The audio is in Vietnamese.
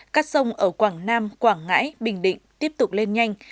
các sông ở quảng nam quảng ngãi bình định tiếp tục lên nhanh